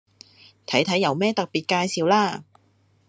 睇睇有咩特別介紹啦